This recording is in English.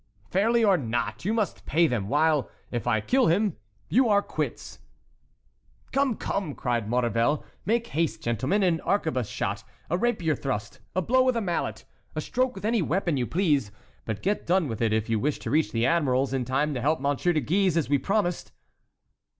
"Fairly or not, you must pay them, while, if I kill him, you are quits." "Come, come!" cried Maurevel; "make haste, gentlemen, an arquebuse shot, a rapier thrust, a blow with a mallet, a stroke with any weapon you please; but get done with it if you wish to reach the admiral's in time to help Monsieur de Guise as we promised."